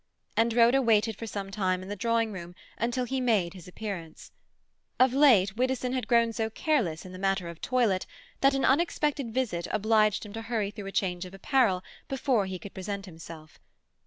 And Rhoda waited for some time in the drawing room until he made his appearance. Of late Widdowson had grown so careless in the matter of toilet, that an unexpected visit obliged him to hurry through a change of apparel before he could present himself.